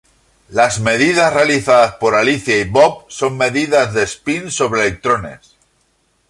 Las medidas realizadas por Alicia y Bob son medidas de espín sobre electrones.